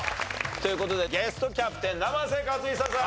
という事でゲストキャプテン生瀬勝久さん。